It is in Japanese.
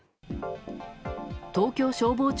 東京消防庁